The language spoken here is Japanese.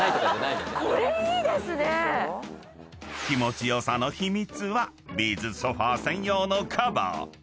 ［気持ち良さの秘密はビーズソファ専用のカバー］